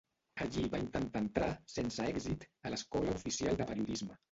Allí va intentar entrar, sense èxit, a l'Escola Oficial de Periodisme.